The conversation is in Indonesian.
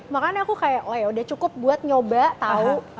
makanya aku kayak udah cukup buat nyoba tahu